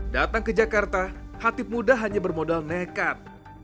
datang ke jakarta hatib muda hanya bermodal nekat